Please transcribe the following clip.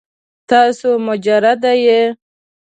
تاسو مجرد یې؟